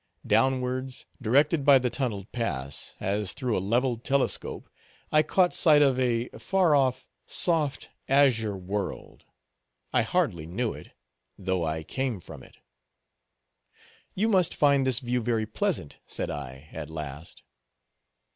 Downwards, directed by the tunneled pass, as through a leveled telescope, I caught sight of a far off, soft, azure world. I hardly knew it, though I came from it. "You must find this view very pleasant," said I, at last.